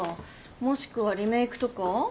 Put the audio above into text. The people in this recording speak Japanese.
もしくはリメークとか？